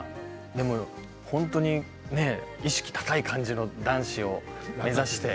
でも本当に意識高い感じの男子を目指して。